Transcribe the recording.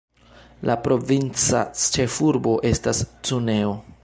La provinca ĉefurbo estas Cuneo.